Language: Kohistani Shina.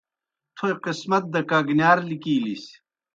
تھوئے قِسمت دہ کگنِیار لِکِیلِس۔